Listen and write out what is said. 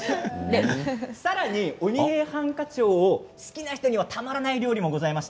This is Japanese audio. さらに「鬼平犯科帳」を好きな人にはたまらない料理がございます。